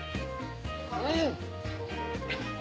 うん！